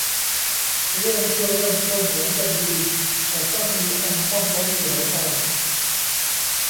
เรื่องที่เริ่มต้นเหมือนจะดีแต่ก็มีอันต้องล้มเหลวไป